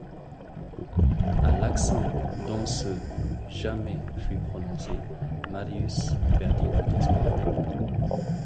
À l’accent dont ce « jamais » fut prononcé, Marius perdit tout espoir.